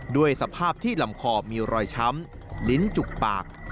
ด้วยสภาพที่ลำคอมีรอยช้ำลิ้นจุกปาก